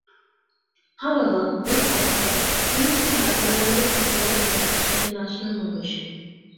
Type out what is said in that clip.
However, this author seems to have overlooked growth in international membership.